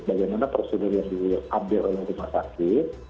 bagaimana prosedur yang diambil oleh rumah sakit